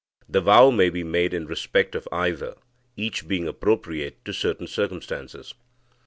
The vow may be made in respect of either, each being appropriate to certain circumstances.